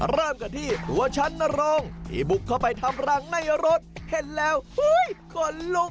เริ่มกันที่ตัวชั้นนรงที่บุกเข้าไปทำรังในรถเห็นแล้วขนลุก